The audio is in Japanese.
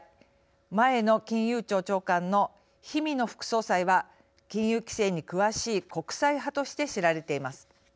前の金融庁長官の氷見野副総裁は金融規制に詳しい国際派として知られています。